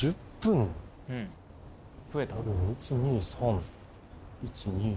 １２３１２３４。